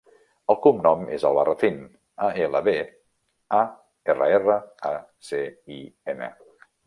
El cognom és Albarracin: a, ela, be, a, erra, erra, a, ce, i, ena.